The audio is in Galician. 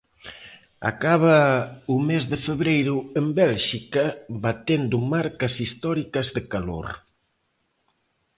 Acaba o mes de febreiro en Bélxica batendo marcas históricas de calor.